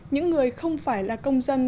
những người không phải là công dân